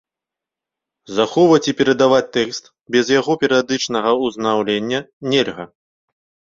Захоўваць і перадаваць тэкст без яго перыядычнага ўзнаўлення нельга.